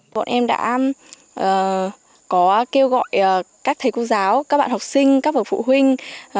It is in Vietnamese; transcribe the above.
bọn em đã kêu gọi các thầy cô giáo các bạn học sinh các phụ huynh